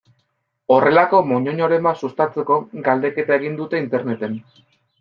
Horrelako moñoñoren bat sustatzeko galdeketa egin dute Interneten.